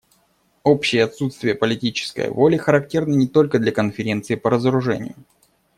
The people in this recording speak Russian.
Общее отсутствие политической воли характерно не только для Конференции по разоружению.